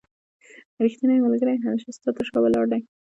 رښتينی ملګری هميشه ستا تر شا ولاړ دی